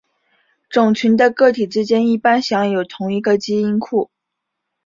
种群的个体之间一般享有同一个基因库。